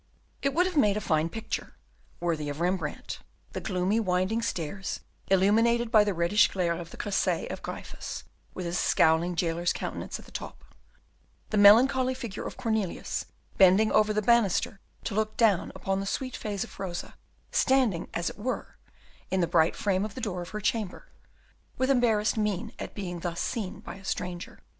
It would have made a fine picture, worthy of Rembrandt, the gloomy winding stairs illuminated by the reddish glare of the cresset of Gryphus, with his scowling jailer's countenance at the top, the melancholy figure of Cornelius bending over the banister to look down upon the sweet face of Rosa, standing, as it were, in the bright frame of the door of her chamber, with embarrassed mien at being thus seen by a stranger.